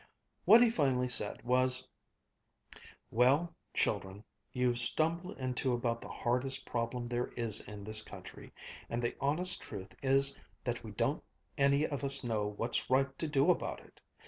What he finally said was: "Well, children, you've stumbled into about the hardest problem there is in this country, and the honest truth is that we don't any of us know what's right to do about it.